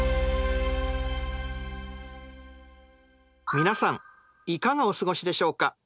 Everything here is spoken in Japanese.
皆さんいかがお過ごしでしょうか？